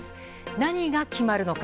何が決まるのか。